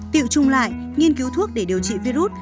tiệu trung lại nghiên cứu thuốc để điều trị virus